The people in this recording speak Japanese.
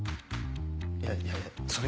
いやいやいやそれ